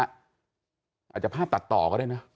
อาจจะภาพตัดต่อก็ได้นะ